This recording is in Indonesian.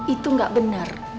itu gak bener